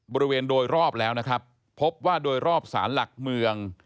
บริเวณโดยรอบแล้วนะครับพบว่าโดยรอบสารหลักเมือง